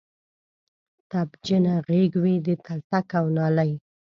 تبجنه غیږ وی د تلتک او نالۍ